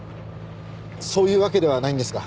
そういうわけではないんですが。